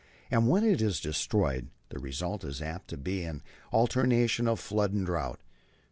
And when it is destroyed the result is apt to be an alternation of flood and drought.